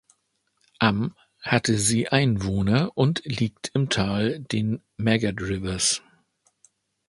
Am hatte sie Einwohner und liegt im Tal den Magat-Rivers.